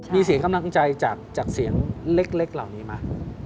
มีเสียงกำลังใจจากเสียงเล็กเหล่านี้ไหม